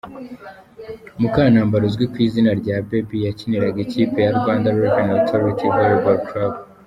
Mukantambara uzwi ku izina rya Baby, yakiniraga ikipe ya Rwanda Revenue Authority Volleyball Club.